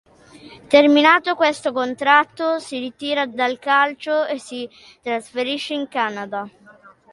Terminato questo contratto si ritira dal calcio e si trasferisce in Canada.